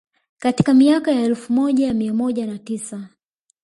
Katika miaka ya elfu moja mia moja na tisa